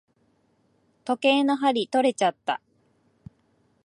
時計の針とれちゃった。